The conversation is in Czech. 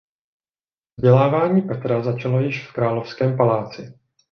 Vzdělávání Petra začalo již v královském paláci.